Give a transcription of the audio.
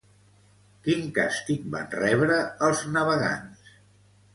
Quin càstig van rebre els navegants?